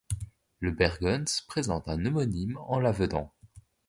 Le Bergons présente un homonyme en Lavedan.